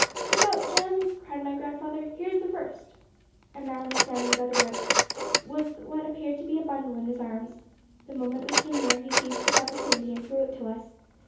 'Look out, Jem!' cried my grandfather. 'Here's the first' A man was standing by the rope, with what appeared to be a bundle in his arms. The moment we came near, he seized his opportunity and threw it to us.